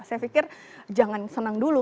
saya pikir jangan senang dulu